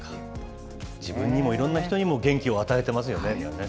自分にもいろんな人にも元気を与えてますよね。